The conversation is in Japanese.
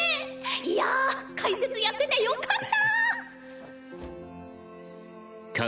いや解説やっててよかった！